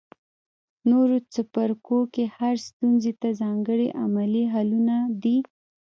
نورو څپرکو کې هرې ستونزې ته ځانګړي عملي حلونه دي.